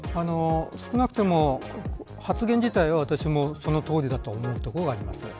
少なくとも発言自体は、私もそのとおりだと思うところがあります。